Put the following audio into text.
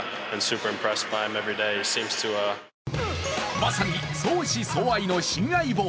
まさに相思相愛の新相棒。